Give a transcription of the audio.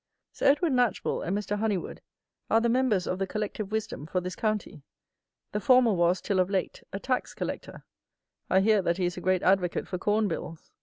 Sir Edward Knatchbull and Mr. Honeywood are the members of the "Collective Wisdom" for this county. The former was, till of late, a Tax Collector. I hear that he is a great advocate for corn bills!